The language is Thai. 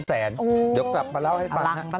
เดี๋ยวกลับมาเล่าให้ก่อนฮะ